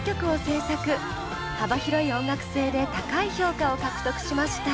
幅広い音楽性で高い評価を獲得しました。